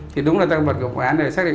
thì đúng là tăng vật của vụ án này